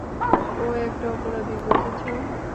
ও একটা অপরাধী, বুঝেছো?